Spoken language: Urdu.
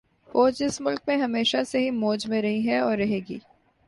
فوج اس ملک میں ہمیشہ سے ہی موج میں رہی ہے اور رہے گی